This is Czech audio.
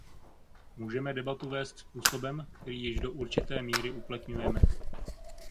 Můžeme debatu vést způsobem, který již do určité míry uplatňujeme.